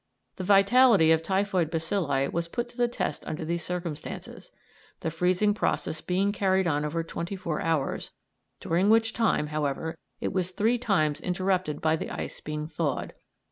The vitality of typhoid bacilli was put to the test under these circumstances, the freezing process being carried on over twenty four hours, during which time, however, it was three times interrupted by the ice being thawed.